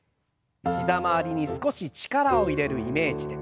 膝周りに少し力を入れるイメージで。